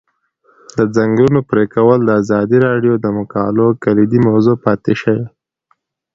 د ځنګلونو پرېکول د ازادي راډیو د مقالو کلیدي موضوع پاتې شوی.